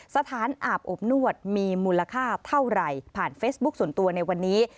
สถานอาบอบนวดมีมูลค่าเท่าไหร่ผ่านเฟซบุ๊คส่วนตัวในวันนี้